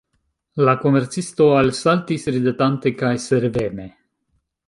La komercisto alsaltis ridetante kaj serveme.